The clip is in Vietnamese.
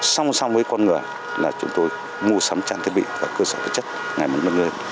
song song với con ngừa là chúng tôi mua sắm trang thiết bị và cơ sở vật chất ngày một nâng lên